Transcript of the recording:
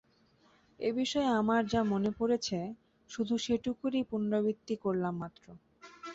এ বিষয়ে আমার যা মনে পড়েছে, শুধু সেটুকুরই পুনরাবৃত্তি করলাম মাত্র।